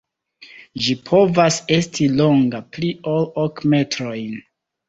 Ĝi povas esti longa pli ol ok metrojn.